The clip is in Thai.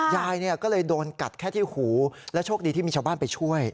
ยายก็เลยโดนกัดแค่ที่หูและโชคดีที่มีชาวบ้านไปช่วย